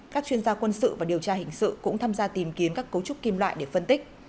các chuyên gia quân sự và điều tra hình sự cũng tham gia tìm kiếm các cấu trúc kim loại để phân tích